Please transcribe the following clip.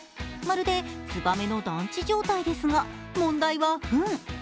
まるで、つばめの団地状態ですが問題はふん。